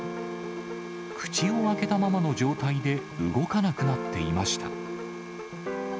口を開けたままの状態で動かなくなっていました。